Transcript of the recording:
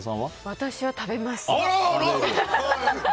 私は食べます。